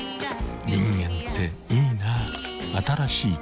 人間っていいナ。